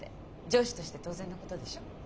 上司として当然のことでしょ。